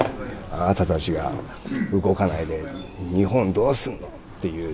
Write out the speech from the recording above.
「あなたたちが動かないで日本どうすんの？」っていうね。